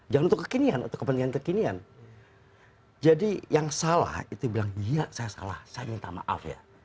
jangan untuk kekinian untuk kepentingan kekinian jadi yang salah itu bilang iya saya salah saya minta maaf ya